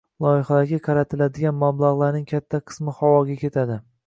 loyihalarga ajratiladigan mablag‘larning katta qismi havoga ketadi.